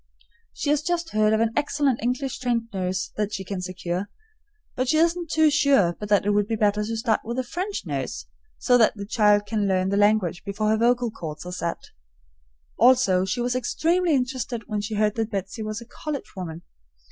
She has just heard of an excellent English trained nurse that she can secure, but she isn't sure but that it would be better to start with a French nurse, so that the child can learn the language before her vocal cords are set. Also, she was extremely interested when she heard that Betsy was a college woman.